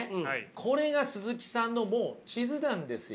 これが鈴木さんのもう地図なんですよ。